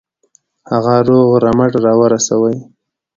هغه روغ رمټ را ورسوي.